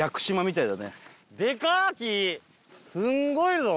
すんごいぞ！